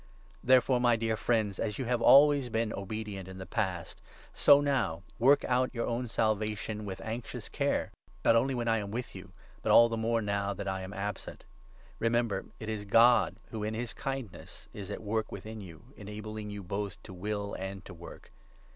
Following Therefore, my dear friends, as you have always 12 this Example, been obedient in the past, so now work out your own Salvation with anxious care, not only when I am with you, but all the more now that I am absent. Remember it is God 13 who, in his kindness, is at work within you, enabling you both to will and to work.